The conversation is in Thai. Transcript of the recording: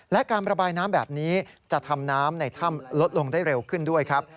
และการระบายน้ำแบบนี้จะทำน้ำในถ้ำลดลงได้เร็วขึ้นด้วยครับ